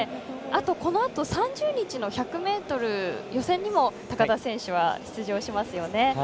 このあと３０日の１００ｍ予選にも高田選手は出場しますよね。